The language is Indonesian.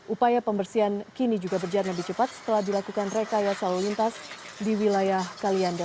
upaya pembersihan kini juga berjalan lebih cepat setelah dilakukan rekayasa lalu lintas di wilayah kalianda